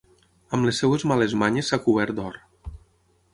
Amb les seves males manyes s'ha cobert d'or.